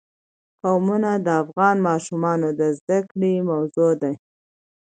قومونه د افغان ماشومانو د زده کړې موضوع ده.